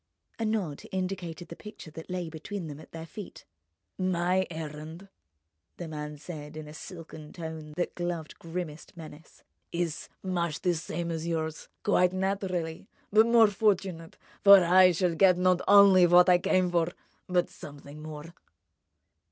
A nod indicated the picture that lay between them, at their feet. "My errand," the man said in a silken tone that gloved grimmest menace, "is much the same as yours—quite naturally—but more fortunate; for I shall get not only what I came for, but something more."